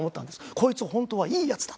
こいつ本当はいいヤツだ。